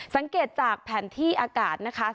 สังเกตจากแผนที่อากาศนะคะ